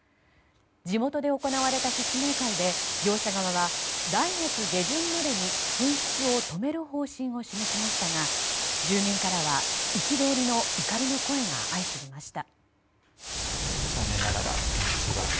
地元で行われた説明会で業者側は来月下旬までに噴出を止める方針を示しましたが住民からは憤りの怒りの声が相次ぎました。